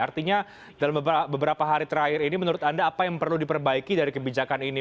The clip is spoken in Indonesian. artinya dalam beberapa hari terakhir ini menurut anda apa yang perlu diperbaiki dari kebijakan ini